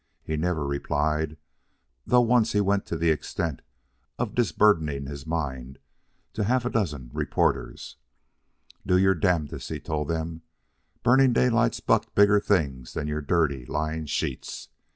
He never replied, though once he went to the extent of disburdening his mind to half a dozen reporters. "Do your damnedest," he told them. "Burning Daylight's bucked bigger things than your dirty, lying sheets.